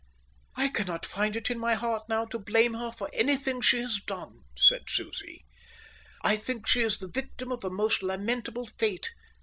"I cannot find it in my heart now to blame her for anything she has done," said Susie. "I think she is the victim of a most lamentable fate.